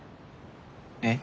えっ？